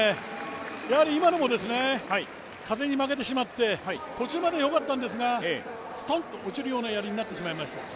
やはり今のも風に負けてしまって、途中まではよかったんですがストンと落ちるようなやりになってしまいました。